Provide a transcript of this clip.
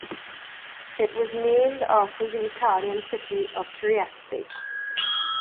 It was named after the Italian city of Trieste.